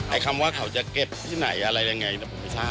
คำว่าเขาจะเก็บที่ไหนอะไรยังไงผมไม่ทราบ